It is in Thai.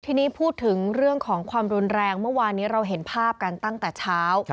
ทีนี้พูดถึงเรื่องของความรุนแรงเมื่อวานนี้เราเห็นภาพกันตั้งแต่เช้า